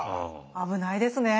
危ないですね。